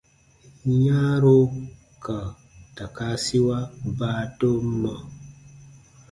Yãaro ka takaasiwa baadomma.